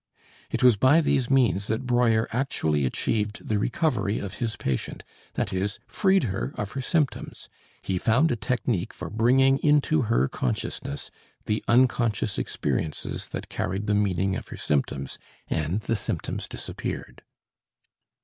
It was by these means that Breuer actually achieved the recovery of his patient, that is, freed her of her symptoms; he found a technique for bringing into her consciousness the unconscious experiences that carried the meaning of her symptoms, and the symptoms disappeared.